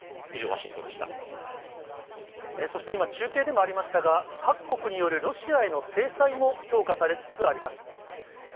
以上、そして今、中継でもありましたが、各国によるロシアへの制裁も強化されつつあります。